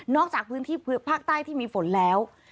จากพื้นที่ภาคใต้ที่มีฝนแล้ว